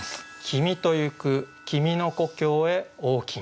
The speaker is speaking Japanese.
「君とゆく君の故郷へ大き虹」。